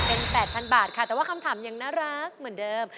เป็น๘๐๐๐บาทค่ะแต่ว่าคำถามยังน่ารักเหมือนเดิม